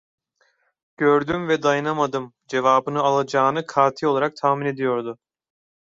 "Gördüm ve dayanamadım!" cevabını alacağını kati olarak tahmin ediyordu.